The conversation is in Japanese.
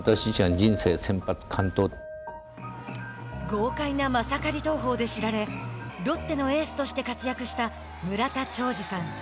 豪快なマサカリ投法で知られロッテのエースとして活躍した村田兆治さん。